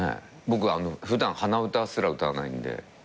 僕普段鼻歌すら歌わないんで。